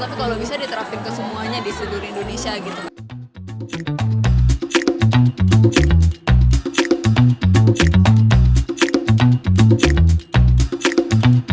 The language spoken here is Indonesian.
tapi kalau bisa diterapin ke semuanya di seluruh indonesia gitu